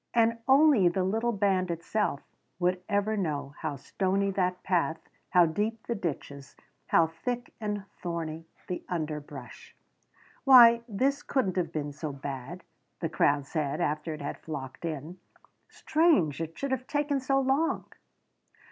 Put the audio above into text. And only the little band itself would ever know how stony that path, how deep the ditches, how thick and thorny the underbrush. "Why this couldn't have been so bad," the crowd said, after it had flocked in "strange it should have taken so long!"